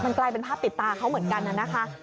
กลายเป็นภาพติดตาเขาเหมือนกันน่ะนะคะ